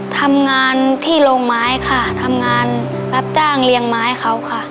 ทำงานที่โรงไม้ค่ะทำงานรับจ้างเลี้ยงไม้เขาค่ะ